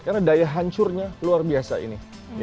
karena daya hancurnya luar biasa ini